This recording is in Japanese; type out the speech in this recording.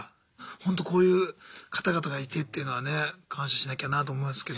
ほんとこういう方々がいてっていうのはね感謝しなきゃなと思うんですけども。